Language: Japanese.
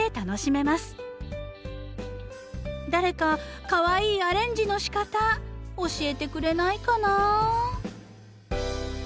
誰かかわいいアレンジのしかた教えてくれないかな。